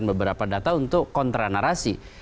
andi sudah menyampaikan beberapa data untuk kontra narasi